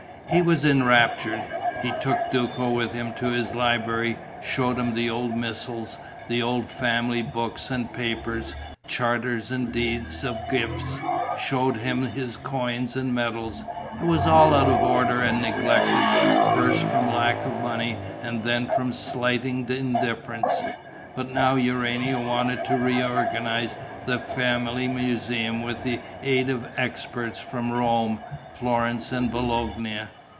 He was enraptured: he took Duco with him to his library, showed him the old missals, the old family books and papers, charters and deeds of gift, showed him his coins and medals. It was all out of order and neglected, first from lack of money and then from slighting indifference; but now Urania wanted to reorganize the family museum with the aid of experts from Rome, Florence and Bologna.